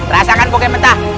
rasakan bokeh mentah